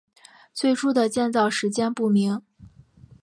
最初的建造时间不明。